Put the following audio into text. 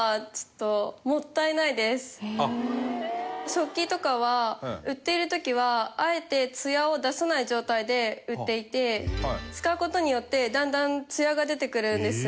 食器とかは売っている時はあえてツヤを出さない状態で売っていて使う事によってだんだんツヤが出てくるんです。